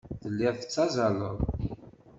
Telliḍ tettazzaleḍ.